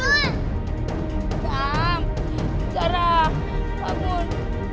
adam sarah bangun